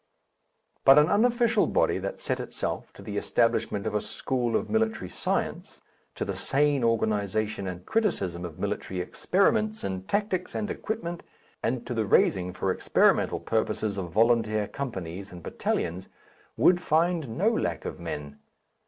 But an unofficial body that set itself to the establishment of a school of military science, to the sane organization and criticism of military experiments in tactics and equipment, and to the raising for experimental purposes of volunteer companies and battalions, would find no lack of men....